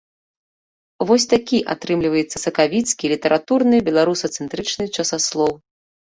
Вось такі атрымліваецца сакавіцкі літаратурны беларусацэнтрычны часаслоў.